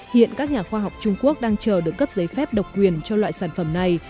hiện các nhà khoa học trung quốc đang chờ được cấp giấy phép độc quyền cho loại sản phẩm này